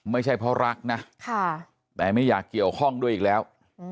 ไม่ใช่เพราะรักนะแต่ไม่อยากเกี่ยวข้องด้วยอีกแล้ว